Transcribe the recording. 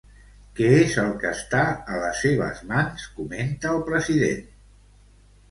Què és el que està a les seves mans, comenta el president?